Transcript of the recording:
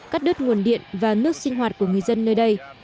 cắt đứt nguồn điện và nước sinh hoạt của người dân nơi đây